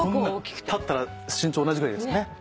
立ったら身長同じぐらいですよね。